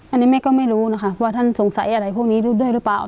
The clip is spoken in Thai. อันนี้แม่ก็ไม่รู้นะคะว่าท่านสงสัยอะไรพวกนี้ด้วยหรือเปล่า